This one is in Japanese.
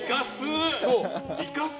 いかす！